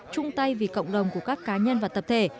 chung tay vì cộng đồng của các cá nhân và tập thể